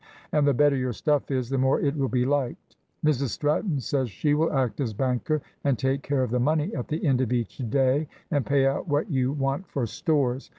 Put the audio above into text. And the better your stuff is, the more it will be liked. Mrs Stratton says she will act as banker, and take care of the money at the end of each day and pay out what you want for stores.